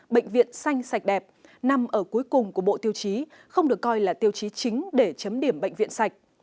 bệnh viện xanh sạch đẹp nằm ở cuối cùng của bộ tiêu chí không được coi là tiêu chí chính để chấm điểm bệnh viện sạch